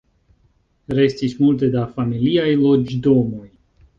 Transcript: Restis multe da familiaj loĝdomoj.